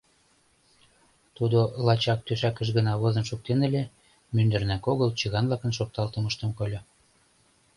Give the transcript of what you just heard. Тудо лачак тӧшакыш гына возын шуктен ыле — мӱндырнак огыл чыган-влакын шокталтымыштым кольо.